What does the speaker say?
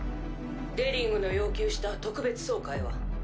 デリングの要求した特別総会は？